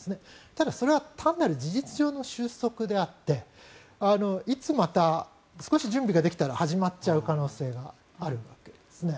ただそれは単なる事実上の終息であっていつまた少し準備ができたら始まっちゃう可能性があるわけですね。